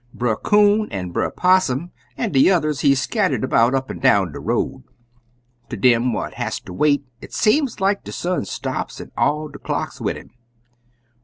Brer Coon an' Brer Possum an' de yuthers be scattered about up an' down de Road. "Ter dem what has ter wait, it seem like de sun stops an' all de clocks wid 'im.